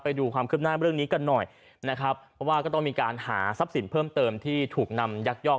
ไปดูความคืบหน้าเรื่องนี้กันหน่อยนะครับเพราะว่าก็ต้องมีการหาทรัพย์สินเพิ่มเติมที่ถูกนำยักยอก